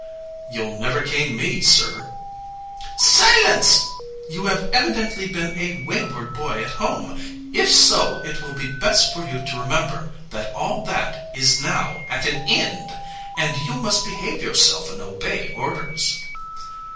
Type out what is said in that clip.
"You'll never cane me, sir." "Silence! You have evidently been a wayward boy at home. If so it will be best for you to remember that all that is now at an end, and you must behave yourself and obey orders."